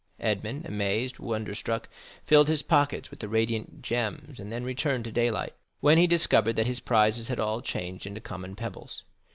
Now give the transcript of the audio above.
Edmond, amazed, wonderstruck, filled his pockets with the radiant gems and then returned to daylight, when he discovered that his prizes had all changed into common pebbles.